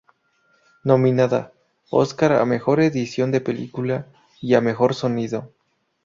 Nominada: Oscar a mejor "edición de película" y a "Mejor sonido".